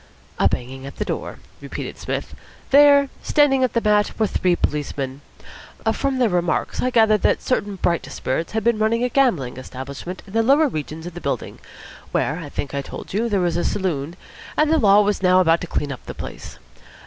"A banging at the door," repeated Psmith. "There, standing on the mat, were three policemen. From their remarks I gathered that certain bright spirits had been running a gambling establishment in the lower regions of the building where, I think I told you, there is a saloon and the Law was now about to clean up the place.